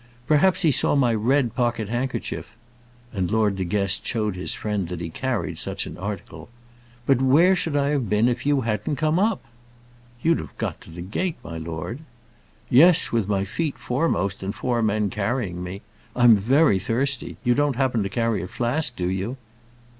Perhaps he saw my red pocket handkerchief." And Lord De Guest showed his friend that he carried such an article. "But where should I have been if you hadn't come up?" "You'd have got to the gate, my lord." "Yes; with my feet foremost, and four men carrying me. I'm very thirsty. You don't happen to carry a flask, do you?"